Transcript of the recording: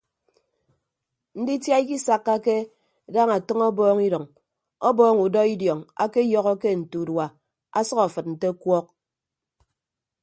Nditia ikisakkake daña ọtʌñ ọbọọñ idʌñ ọbọọñ udọ idiọñ akeyọhọke nte urua asʌk afịd nte ọkuọk.